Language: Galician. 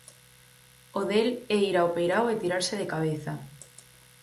O del é ir ao peirao e tirarse de cabeza.